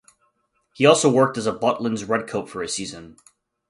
He also worked as a Butlin's redcoat for a season.